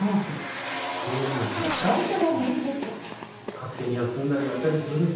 勝手に休んだり辞めたりするでしょ。